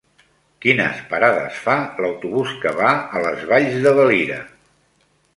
Quines parades fa l'autobús que va a les Valls de Valira?